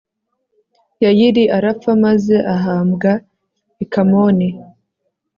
yayiri arapfa maze ahambwa i kamoni